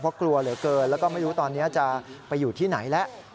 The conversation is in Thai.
เพราะกลัวเหลือเกินแล้วก็ไม่รู้ตอนนี้จะไปอยู่ที่ไหนแล้ว